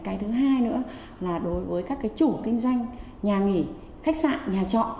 cái thứ hai nữa là đối với các cái chủ kinh doanh nhà nghỉ khách sạn nhà trọ